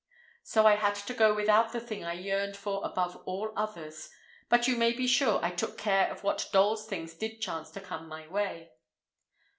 So I had to go without the thing I yearned for above all others. But you may be sure I took care of what dolls' things did chance to come my way.